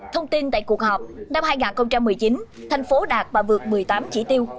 thông tin tại cuộc họp năm hai nghìn một mươi chín thành phố đạt và vượt một mươi tám chỉ tiêu